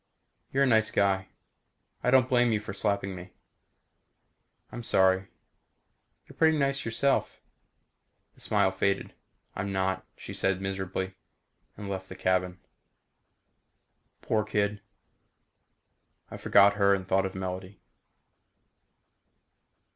"You're a nice guy. I don't blame you for slapping me." "I'm sorry. You're pretty nice yourself." The smile faded. "I'm not," she said miserably, and left the cabin. Poor kid. I forgot her and thought of Melody.